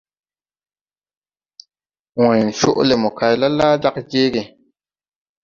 Way coʼ le mokay la, laa jag jeege.